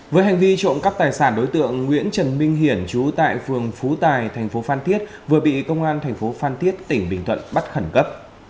với hành vi trộm cắp tài sản đối tượng nguyễn trần minh hiển chú tại phường phú tài tp phan thiết vừa bị công an tp phan thiết tỉnh bình thuận bắt khẩn cấp